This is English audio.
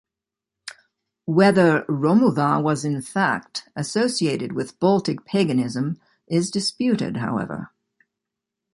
Whether Romuva was in fact associated with Baltic paganism is disputed, however.